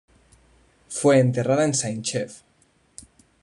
Fue enterrada en Saint-Chef.